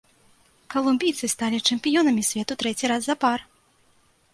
Калумбійцы сталі чэмпіёнамі свету трэці раз запар.